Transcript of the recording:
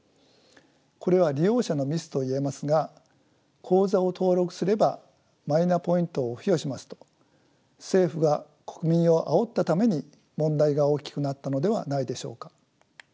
これは利用者のミスと言えますが口座を登録すればマイナポイントを付与しますと政府が国民をあおったために問題が大きくなったのではないでしょうか。